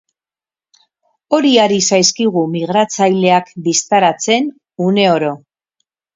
Hori ari zaizkigu migratzaileak bistaratzen, uneoro.